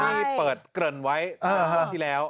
ที่เปิดเกริ่นไว้เมื่อช่วงที่แล้ว